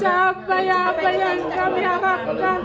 tercapai apa yang kami harapkan